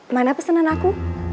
mana pesenan aku